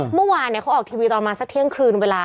เมื่อวานเขาออกทีวีตอนประมาณสักเที่ยงคืนเวลา